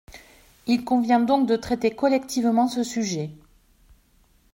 Il convient donc de traiter collectivement ce sujet.